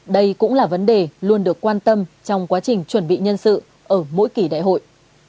đây cũng là vấn đề luôn được quan tâm trong quá trình chuẩn bị nhân sự ở mỗi kỳ đại hội